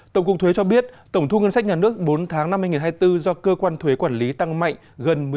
tổng cục thuế cho biết tổng thu ngân sách nhà nước bốn tháng năm hai nghìn hai mươi bốn do cơ quan thuế quản lý tăng mạnh